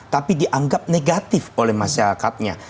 tapi dianggap negatif oleh masyarakatnya